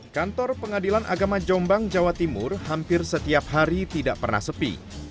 kantor pengadilan agama jombang jawa timur hampir setiap hari tidak pernah sepi